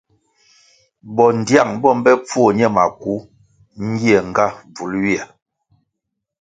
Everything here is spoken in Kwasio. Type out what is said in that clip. Bondtiang bo mbe pfuo ñe maku ngie nga bvul ywia.